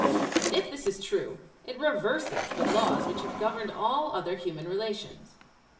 If this is true, it reverses the laws which have governed all other human relations.